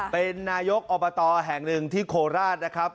เป็นนายกอบตแห่งหนึ่งที่โคราชนะครับ